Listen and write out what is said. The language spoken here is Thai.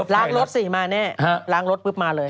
ล้างรถสิมาแน่ล้างรถปุ๊บมาเลย